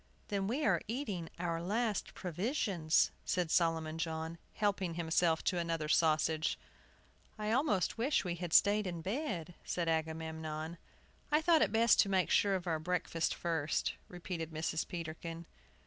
"Then we are eating our last provisions," said Solomon John, helping himself to another sausage. "I almost wish we had stayed in bed," said Agamemnon. "I thought it best to make sure of our breakfast first," repeated Mrs. Peterkin.